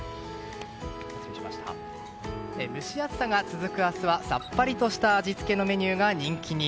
蒸し暑さが続く明日はさっぱりとした味付けのメニューが人気に。